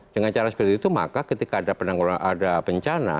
dengan cara seperti itu maka ketika ada penanggulangan ada bencana